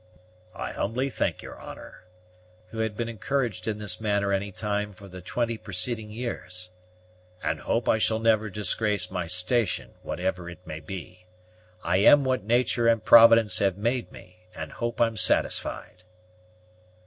"I humbly thank your honor," coolly returned the Sergeant, who had been encouraged in this manner any time for the twenty preceding years, "and hope I shall never disgrace my station, whatever it may be. I am what nature and Providence have made me, and hope I'm satisfied."